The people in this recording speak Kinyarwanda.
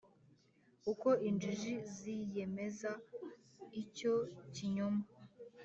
Uko injiji ziyemeza icyo kinyoma.